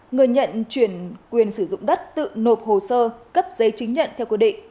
người nhận chuyển quyền sử dụng đất tự nộp hồ sơ cấp giấy chứng nhận theo quy định